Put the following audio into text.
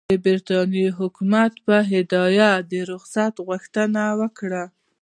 د برټانیې حکومت په هدایت د رخصت غوښتنه وکړه.